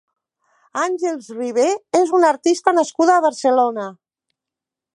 Àngels Ribé és una artista nascuda a Barcelona.